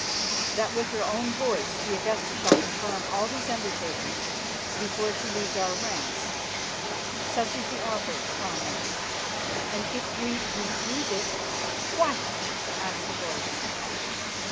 That with her own voice the Augusta shall confirm all these undertakings before she leaves our ranks. Such is the offer, comrades." "And if we refuse it, what?" asked a voice.